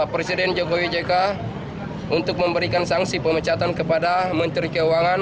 presiden jokowi jk untuk memberikan sanksi pemecatan kepada menteri keuangan